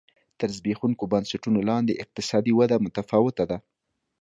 تر زبېښونکو بنسټونو لاندې اقتصادي وده متفاوته ده.